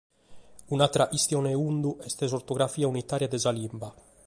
Un’àtera chistione de fundu est s’ortografia unitària de sa limba.